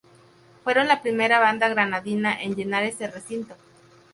Fueron la primera banda granadina en llenar ese recinto.